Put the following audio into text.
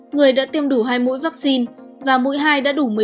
người đã tiêm đủ hai mũi vaccine và mũi hai đã đủ